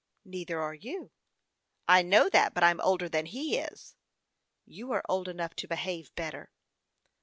" Neither are you." " I know that, but I'm older than he is." " You are old enough to behave better."